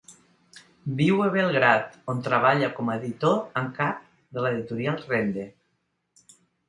Viu a Belgrad, on treballa com a editor en cap de l'editorial Rende.